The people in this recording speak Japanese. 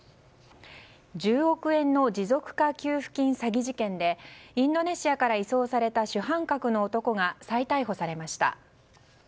１０億円の持続化給付金詐欺事件でインドネシアから移送された主犯格の男が再逮捕されました。